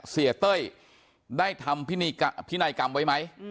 เสียเต้ยได้ทำพินัยกรรมไว้ไหม